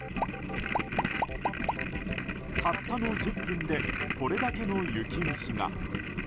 たったの１０分でこれだけの雪虫が。